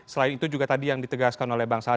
selain itu juga tadi yang ditegaskan oleh bang saleh